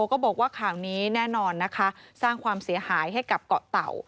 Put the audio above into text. ก็บอกว่าข่าวนี้แน่นอนนะคะสร้างความเสียหายให้กับเกาะเต่า